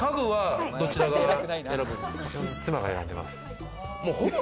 妻が選んでます。